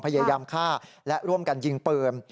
พยายามฆ่าและร่วมกันยิงปืน